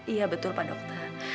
iya betul pak dokter